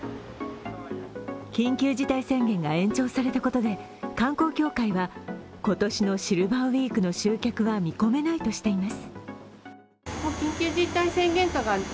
緊急事態宣言が延長されたことで観光協会は今年のシルバーウイークの集客は見込めないとしています。